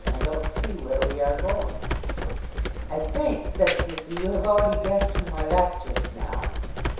I don't see where we are going.' 'I think,' said Sissy, 'you have already guessed whom I left just now!